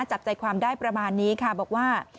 จับใจความได้ประมาณนี้ค่ะบอกว่า